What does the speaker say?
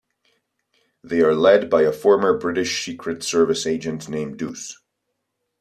They are led by a former British Secret Service Agent named Deuce.